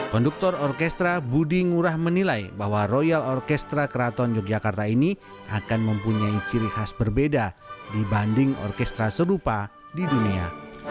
konduktor orkestra budi ngurah menilai bahwa royal orkestra keraton yogyakarta ini akan mempunyai ciri khas berbeda dibanding orkestra serupa di dunia